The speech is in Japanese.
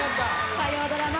火曜ドラマ